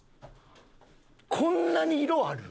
こんなに色ある？